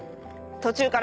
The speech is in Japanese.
途中から！